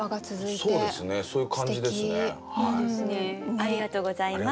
ありがとうございます。